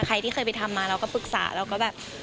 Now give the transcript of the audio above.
ใครที่เคยไปทำมาเราก็ปรึกษาเราก็แบบ